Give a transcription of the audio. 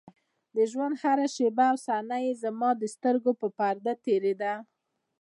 د ژونـد هـره شـيبه او صحـنه يـې زمـا د سـترګو پـر پـردو تېـرېده.